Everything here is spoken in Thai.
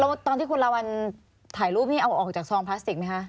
แล้วตอนที่คุณลาวัลถ่ายรูปนี่เอาออกจากซองพลาสติกไหมคะ